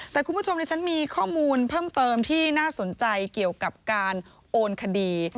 แต่คุณผู้ชมดิฉันมีข้อมูลเพิ่มเติมที่น่าสนใจเกี่ยวกับการโอนคดี